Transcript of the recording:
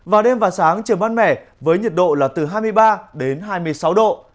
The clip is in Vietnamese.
vào đêm và sáng trời mát mẻ với nhiệt độ là từ hai mươi ba đến hai mươi sáu độ